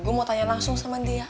gue mau tanya langsung sama dia